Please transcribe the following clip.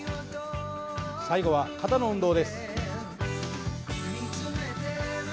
最後は肩の運動です。